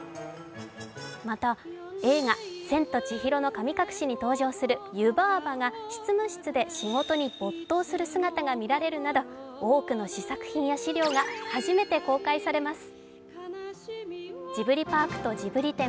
また、映画「千と千尋の神隠し」に登場する湯婆婆が執務室で仕事に没頭する姿が見られるなど多くの試作品や資料が初めて公開されます。